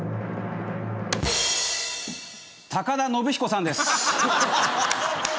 田延彦さんです。